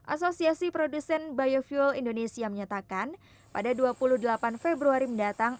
asosiasi produsen biofuel indonesia menyatakan pada dua puluh delapan februari mendatang